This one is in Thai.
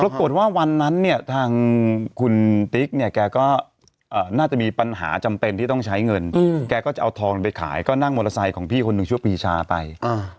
วันนั้นเนี่ยทางคุณติ๊กเนี่ยแกก็น่าจะมีปัญหาจำเป็นที่ต้องใช้เงินแกก็จะเอาทองไปขายก็นั่งมอเตอร์ไซค์ของพี่คนหนึ่งชื่อปีชาไป